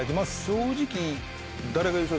正直。